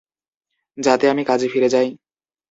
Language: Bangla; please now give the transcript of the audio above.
যাতে আমি কাজে ফিরে যাই?